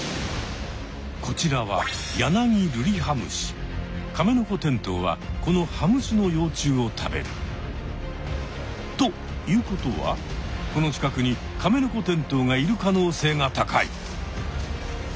こちらはカメノコテントウはこのハムシの幼虫を食べる。ということはこの近くにカメノコテントウがいる可能性が高い！